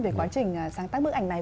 về quá trình sáng tác bức ảnh này